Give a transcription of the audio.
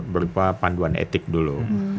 berupa panduan etik dulu